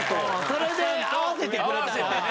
それで合わせてくれたら。